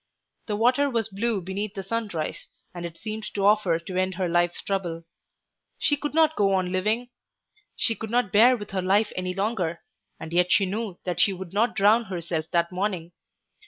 The water was blue beneath the sunrise, and it seemed to offer to end her life's trouble. She could not go on living. She could not bear with her life any longer, and yet she knew that she would not drown herself that morning.